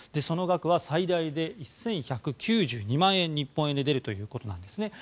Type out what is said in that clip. その額は最大で１１９２万円日本円で出るということです。